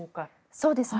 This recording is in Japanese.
そうですね。